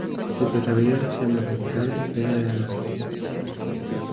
Y si tus rebeliones se multiplicaren, ¿qué le harás tú?